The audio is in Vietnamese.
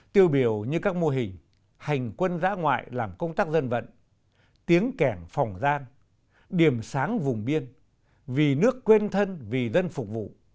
tiêu biểu như các mô hình hành quân giã ngoại làm công tác dân vận tiếng kẻng phòng gian điểm sáng vùng biên vì nước quên thân vì dân phục vụ